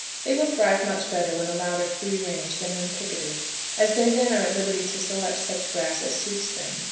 They will thrive much better when allowed a free range than when picketed, as they then are at liberty to select such grass as suits them.